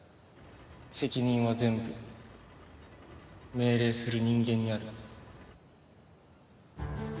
責任は全部命令する人間にある。